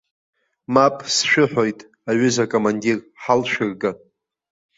Мап, сшәыҳәоит, аҩыза акомандир, ҳалшәырга!